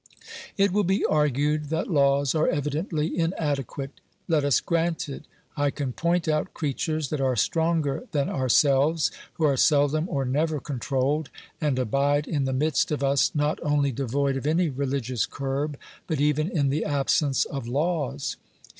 It will be argued that laws are evidently inadequate. Let us grant it. I can point out creatures that are stronger than ourselves, who are seldom or never controlled, and abide in the midst of us not only devoid of any religious curb, but even in the absence of laws.